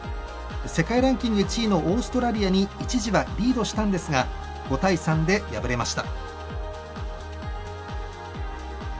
世界ランキング１位のオーストラリアに一時はリードしたんですが５対３で敗れました。